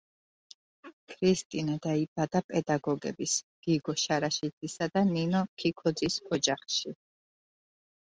ქრისტინე დაიბადა პედაგოგების, გიგო შარაშიძისა და ნინო ქიქოძის ოჯახში.